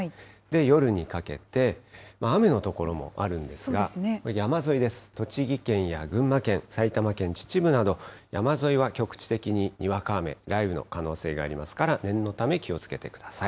夜にかけて雨の所もあるんですが、山沿いです、栃木県や群馬県、埼玉県秩父など、山沿いは局地的ににわか雨、雷雨の可能性がありますから、念のため気をつけてください。